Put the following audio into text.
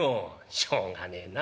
「しょうがねえな。